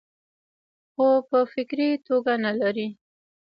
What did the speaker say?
خو پۀ فکري توګه نۀ لري -